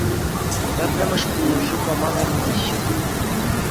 Пӗрремӗш пулӑшу пама вӗрентеҫҫӗ